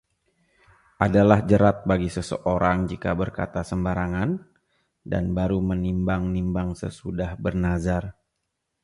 Adalah jerat bagi seseorang jika berkata sembarangan, dan baru menimbang-nimbang sesudah bernazar.